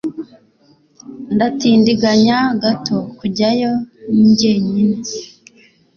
Ndatindiganya gato kujyayo jyenyine.